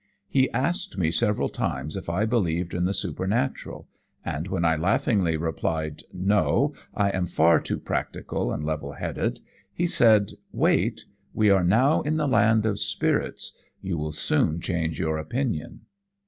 He asked me several times if I believed in the supernatural, and when I laughingly replied 'No, I am far too practical and level headed,' he said 'Wait. We are now in the land of spirits. You will soon change your opinion.'